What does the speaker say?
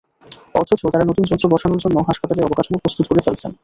অথচ তারা নতুন যন্ত্র বসানোর জন্য হাসপাতালে অবকাঠামো প্রস্তুত করে ফেলেছেন।